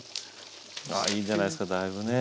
あいいんじゃないですかだいぶねえ。